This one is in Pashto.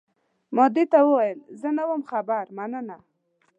ما دې ته وویل، زه نه وم خبر، مننه.